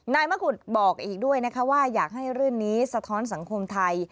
มะกุฎบอกอีกด้วยนะคะว่าอยากให้เรื่องนี้สะท้อนสังคมไทย